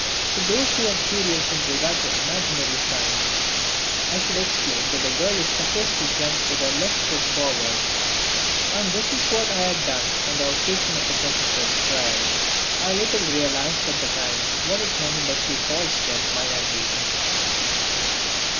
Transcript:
To those who are curious in regard to imaginary science I should explain that a girl is supposed to jump with her left foot forward, and this is what I had done on the occasion of the Professor's trial. I little realised at the time what a tremendously false step mine had been!